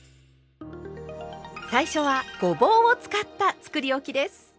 最初はごぼうを使ったつくりおきです。